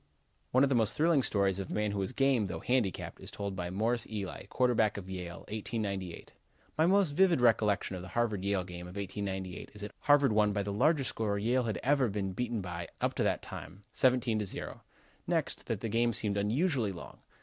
One of the most thrilling stories of a man who was game, though handicapped, is told by Morris Ely, quarterback for Yale, 1898. "My most vivid recollection of the Harvard Yale game of 1898 is that Harvard won by the largest score Yale had ever been beaten by up to that time, 17 to 0. Next, that the game seemed unusually long.